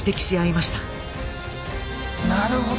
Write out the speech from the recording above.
なるほど。